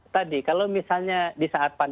tadi kalau misalnya